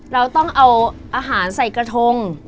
เราต้องเอาอาหารใส่กระทง